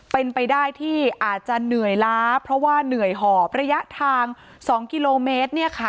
เป็นไปได้ที่อาจจะเหนื่อยล้าเพราะว่าเหนื่อยหอบระยะทาง๒กิโลเมตร